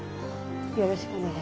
よろしくお願いします。